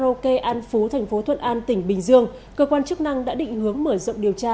cá rô kê an phú tp thuận an tỉnh bình dương cơ quan chức năng đã định hướng mở rộng điều tra